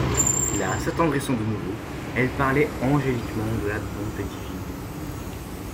Là, s'attendrissant de nouveau, elle parlait angéliquement de la bonté divine.